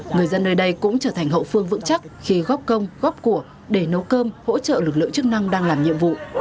người dân nơi đây cũng trở thành hậu phương vững chắc khi góp công góp của để nấu cơm hỗ trợ lực lượng chức năng đang làm nhiệm vụ